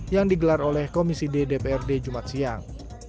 yang digelar oleh komisi d dprd jumat siang